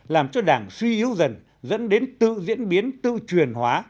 làm cho đảng suy yếu dần dẫn đến tự diễn biến tự truyền hóa